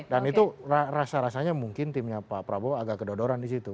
dan itu rasa rasanya mungkin timnya pak prabowo agak kedodoran di situ